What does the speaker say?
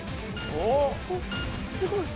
あっすごい。